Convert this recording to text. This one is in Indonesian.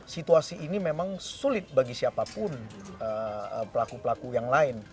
situasi ini memang sulit bagi siapapun pelaku pelaku yang lain